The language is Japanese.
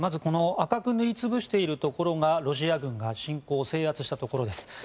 赤く塗りつぶしているところがロシア軍が侵攻、制圧したところです。